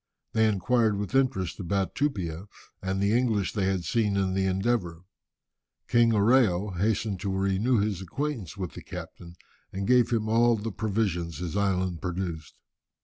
They inquired with interest about Tupia and the English they had seen in the Endeavour. King Oreo hastened to renew his acquaintance with the captain, and gave him all the provisions his island produced.